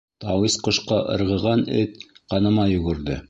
«Тауис ҡошҡа ырғыған эт» ҡаныма йүгерҙе.